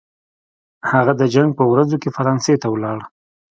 هغه د جنګ په ورځو کې فرانسې ته ولاړ.